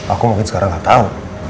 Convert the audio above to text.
aku mungkin sekarang gak tau